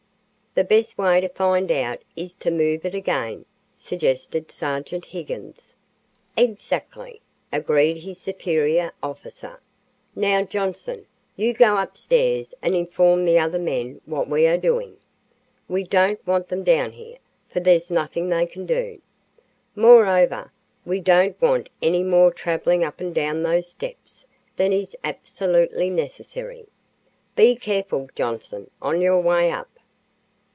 "The best way to find out is to move it again," suggested Sergeant Higgins. "Exactly," agreed his superior officer. "Now, Johnson, you go upstairs and inform the other men what we are doing. We don't want them down here, for there's nothing they can do. Moreover, we don't want any more traveling up and down those steps than is absolutely necessary. Be careful, Johnson, on your way up."